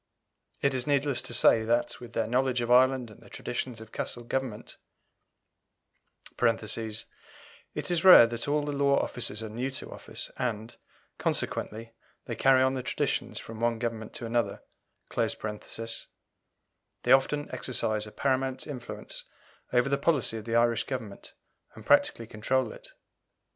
It is needless to say that, with their knowledge of Ireland and the traditions of Castle government (it is rare that all the law officers are new to office, and, consequently, they carry on the traditions from one Government to another), they often exercise a paramount influence over the policy of the Irish Government, and practically control it.